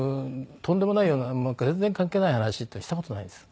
とんでもないような全然関係ない話ってした事ないんです。